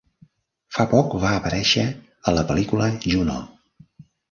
Fa poc va aparèixer a la pel·lícula "Juno".